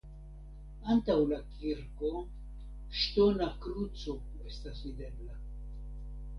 Antaŭ la kirko ŝtona kruco estas videbla.